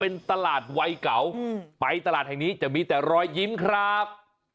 เป็นตลาดวัยเก่าไปตลาดแห่งนี้จะมีแต่รอยยิ้มครับ